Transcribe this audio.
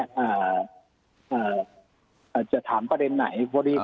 อาจจะถามประเด็นไหน